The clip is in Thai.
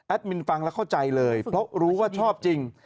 มินฟังแล้วเข้าใจเลยเพราะรู้ว่าชอบจริง